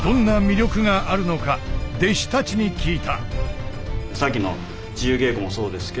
弟子たちに聞いた。